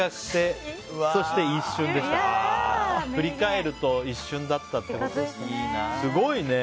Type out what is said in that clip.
振り返ると一瞬だったってことですね。